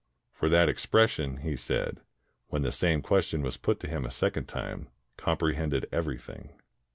For that expression, he said, when the same question was put to him a second time, comprehended everything.